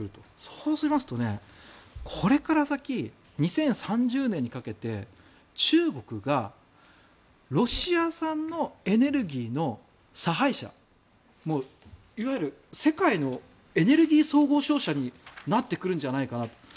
そうしますとね、これから先２０３０年にかけて中国がロシア産のエネルギーの差配者いわゆる世界のエネルギー総合商社になってくるんじゃないかと。